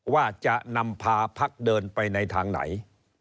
ว่าจะนำพาพักเดินไปในทางไหน